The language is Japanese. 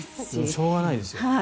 しょうがないですよ。